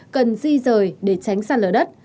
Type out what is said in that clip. cần di rời để tránh sạt lở đất